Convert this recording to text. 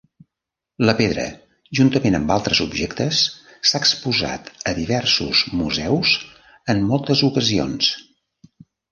La pedra, juntament amb altres objectes, s'ha exposat a diversos museus en moltes ocasions.